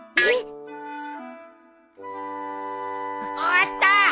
終わった！